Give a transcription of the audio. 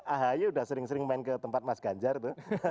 ahy udah sering sering main ke tempat mas ganjar tuh